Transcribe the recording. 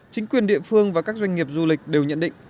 chính quyền địa phương và các doanh nghiệp du lịch đều nhận định